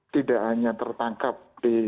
tidak hanya tertangkap di